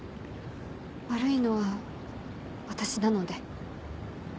悪いのは私なので。